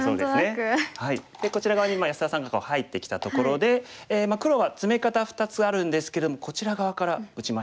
こちら側に安田さんが入ってきたところで黒はツメ方２つあるんですけれどもこちら側から打ちました。